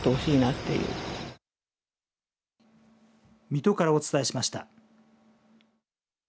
水戸からお伝えしました。